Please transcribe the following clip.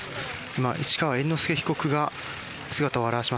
今市川猿之助被告が姿を現しました。